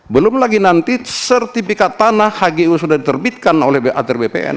belum lagi nanti sertifikat tanah hgu sudah diterbitkan oleh bater bpn